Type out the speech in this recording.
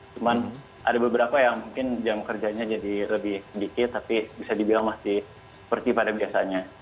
cuman ada beberapa yang mungkin jam kerjanya jadi lebih sedikit tapi bisa dibilang masih seperti pada biasanya